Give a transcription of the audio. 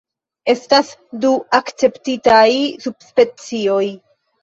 Estas du akceptitaj subspecioj.